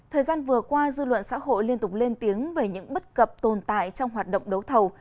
thời gian vừa qua dư luận xã hội liên tục lên tiếng về những bất cập tồn tại trong hoạt động đấu thầu